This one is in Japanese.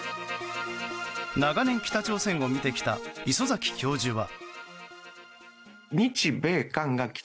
長年、北朝鮮を見てきた礒崎教授は。